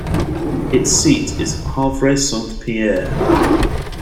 Its seat is Havre-Saint-Pierre.